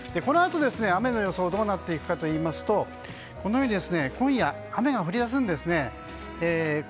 このあと雨の予想どうなっていくかといいますとこのように今夜、雨が降り出すんですね。